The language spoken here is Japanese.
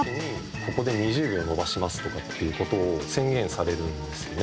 「ここで２０秒延ばします」とかっていう事を宣言されるんですよね。